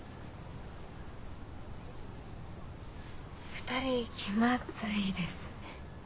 ２人気まずいですね。